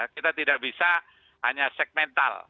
kita tidak bisa hanya segmental